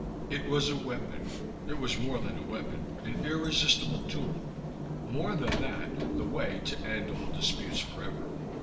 It was a weapon. It was more than a weapon, an irresistable tool more than that, the way to end all disputes forever.